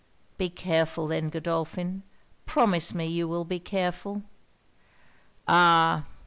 Be careful then, Godolphin; promise me you will be careful!' 'Ah!